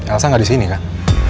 elsa gak disini kan